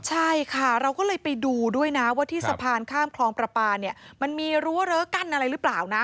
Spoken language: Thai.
ใช่ค่ะเราก็เลยไปดูด้วยนะว่าที่สะพานข้ามคลองประปาเนี่ยมันมีรั้วเริ้กั้นอะไรหรือเปล่านะ